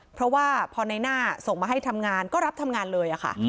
เพราะว่าพอในหน้าส่งมาให้ทำงานก็รับทำงานเลยค่ะ